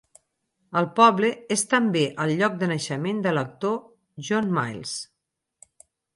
El poble és també el lloc de naixement de l'actor John Mills.